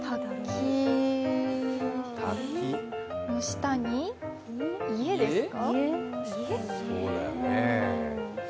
の下に家ですか？